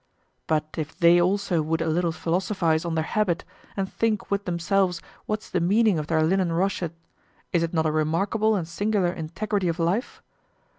But if they also would a little philosophize on their habit and think with themselves what's the meaning of their linen rochet, is it not a remarkable and singular integrity of life?